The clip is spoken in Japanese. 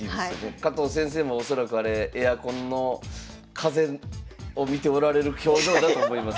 加藤先生も恐らくあれエアコンの風を見ておられる表情だと思います。